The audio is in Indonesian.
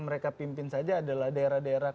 mereka pimpin saja adalah daerah daerah